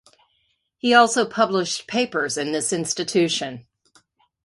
He also published papers in this institution.